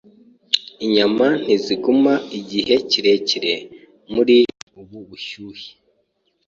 Inyama ntizigumya igihe kinini muri ubu bushyuhe.